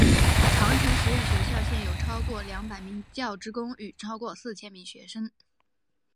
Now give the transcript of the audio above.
长城实验学校现有超过两百名教职工与超过四千名学生。